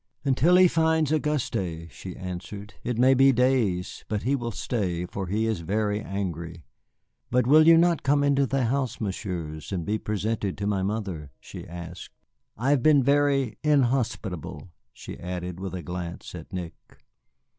"Until he finds Auguste," she answered. "It may be days, but he will stay, for he is very angry. But will you not come into the house, Messieurs, and be presented to my mother?" she asked. "I have been very inhospitable," she added with a glance at Nick.